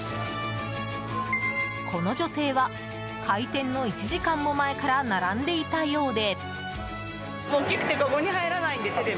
この女性は開店の１時間も前から並んでいたようで。